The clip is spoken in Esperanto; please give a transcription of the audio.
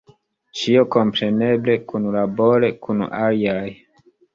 Ĉio kompreneble kunlabore kun aliaj.